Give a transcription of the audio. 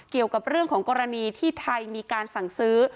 เกี่ยวกับเรื่องของกรณีที่ไทยมีการสั่งซื้อ